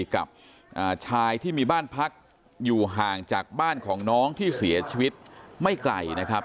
กับชายที่มีบ้านพักอยู่ห่างจากบ้านของน้องที่เสียชีวิตไม่ไกลนะครับ